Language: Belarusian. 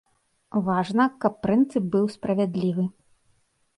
Важна, каб прынцып быў справядлівы.